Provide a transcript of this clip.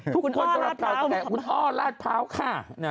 ทุกคนต้องรัดเภาแต่คุณอ้อรัดเภาค่ะ